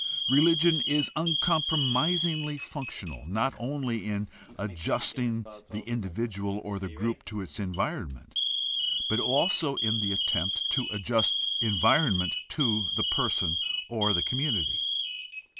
Religion is uncompromisingly functional, not only in adjusting the individual or the group to its environ ment, but also in the attempt to adjust environment to the person or the community.